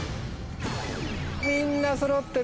みんなそろってＢ。